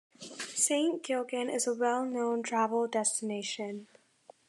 Saint Gilgen is a well-known travel destination.